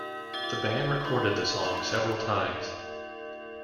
The band recorded the song several times.